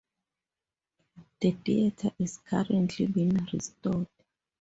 The theater is currently being restored.